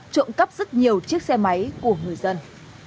trộm cắp rất nhiều chiếc xe máy của người dân